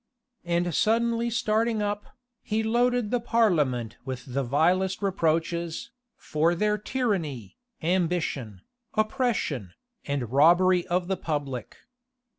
And suddenly starting up, he loaded the parliament with the vilest reproaches, for their tyranny, ambition, oppression, and robbery of the public.